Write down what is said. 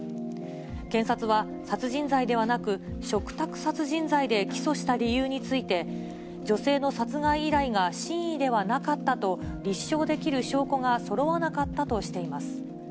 検察は殺人罪ではなく、嘱託殺人罪で起訴した理由について、女性の殺害依頼が真意ではなかったと立証できる証拠がそろわなかったとしています。